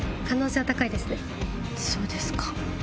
そうですか。